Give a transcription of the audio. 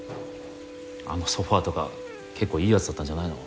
あのソファとかけっこういいやつだったんじゃないの？